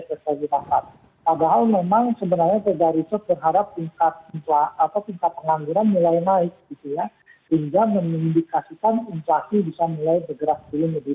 tapi bisa mulai bergerak dulu lebih banyak